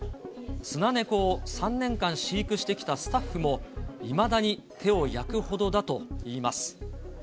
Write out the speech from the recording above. スナネコを３年間、飼育してきたスタッフも、いまだに手を焼くほどだといいます。